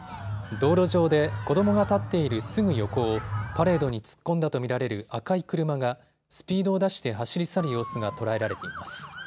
道路上で子どもが立っているすぐ横をパレードに突っ込んだと見られる赤い車がスピードを出して走り去る様子が捉えられています。